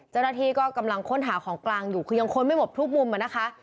เจ้าหน้าที่ก็กำลังค้นหาของกลางอยู่คือยังค้นไม่หมดทุกมุมอะนะคะ